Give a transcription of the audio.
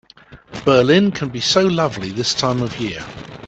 Berlin can be so lovely this time of year.